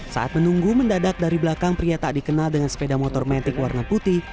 saat menunggu mendadak dari belakang pria tak dikenal dengan sepeda motor metik warna putih